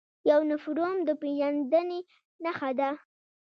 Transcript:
یونفورم د پیژندنې نښه ده